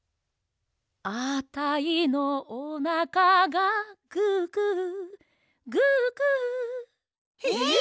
「あたいのおなかがググググ」えっ！？